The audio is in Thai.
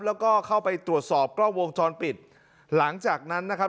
แล้วก็เข้าไปตรวจสอบกล้องวงจรปิดหลังจากนั้นนะครับ